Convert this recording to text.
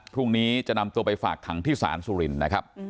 พรุ่งนี้จะนำไปฝากถังที่ศาลสุรินทร์